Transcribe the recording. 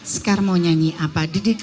sekar mau nyanyi apa